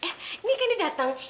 eh ini kan yang datang